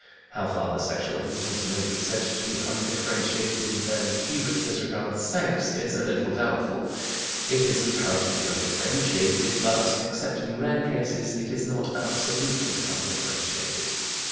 How far the sexual instinct may be said to be undifferentiated in early puberty as regards sex is a little doubtful. It is comparatively undifferentiated, but except in rare cases it is not absolutely undifferentiated.